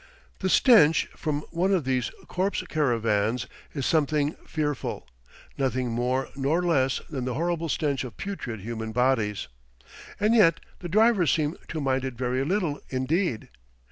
The stench from one of these corpse caravans is something fearful, nothing more nor less than the horrible stench of putrid human bodies. And yet the drivers seem to mind it very little indeed.